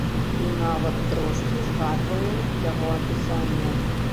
І нават трошкі згадвае яго апісанне.